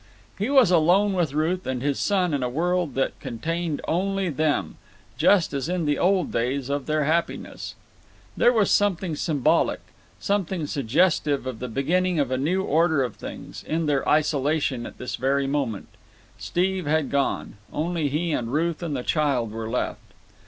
He was alone with Ruth and his son in a world that contained only them, just as in the old days of their happiness. There was something symbolic, something suggestive of the beginning of a new order of things, in their isolation at this very moment. Steve had gone. Only he and Ruth and the child were left.